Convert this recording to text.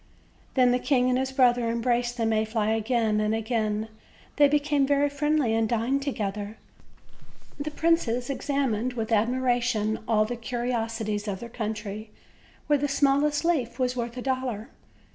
Then the king and his brother embraced the May fly again and again; they became very friendly and dined together; the princes examined with admiration all the curiosities of their country, where the smallest leaf was worth a dollar.